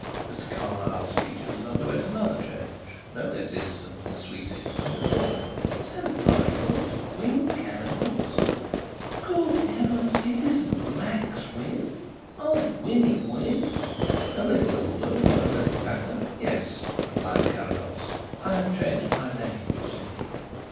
Mr. Carlyle's features underwent another change, no less instant and sweeping than before. "St. Michael's! Wynn Carrados? Good heavens! it isn't Max Wynn old 'Winning' Wynn"? "A little older and a little fatter yes," replied Carrados. "I have changed my name you see."